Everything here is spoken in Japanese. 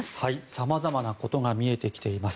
さまざまなことが見えてきています。